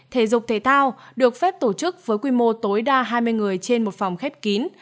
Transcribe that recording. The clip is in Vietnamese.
thể dục thể thao được phép tổ chức với quy mô tối đa hai mươi người trên một phòng khép kín